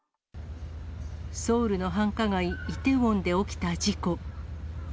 ソウルの繁華街、イテウォンで起きた事故。